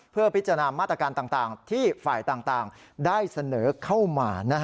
เพื่อพิจารณามาตรการต่างที่ฝ่ายต่างได้เสนอเข้ามา